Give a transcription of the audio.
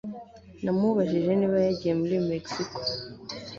Namubajije niba yagiye muri Mexico